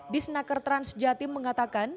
disnaker trans jatim mengatakan